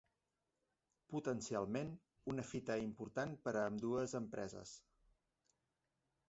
Potencialment, una fita important per a ambdues empreses.